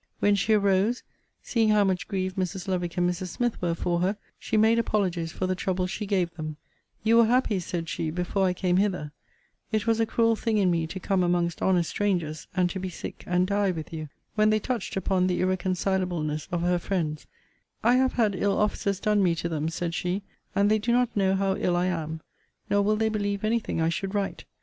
When she arose, seeing how much grieved Mrs. Lovick and Mrs. Smith were for her, she made apologies for the trouble she gave them You were happy, said she, before I came hither. It was a cruel thing in me to come amongst honest strangers, and to be sick, and die with you. When they touched upon the irreconcileableness of her friends, I have had ill offices done me to them, said she, and they do not know how ill I am; nor will they believe any thing I should write.